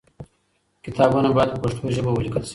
کتابونه باید په پښتو ژبه ولیکل سي.